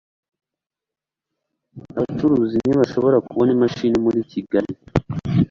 abacukuzi ntibashobora kubona imashini muri kigali